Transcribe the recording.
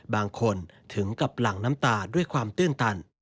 บางคนถึงกับหลั่งน้ำตาด้วยความตื้นตัน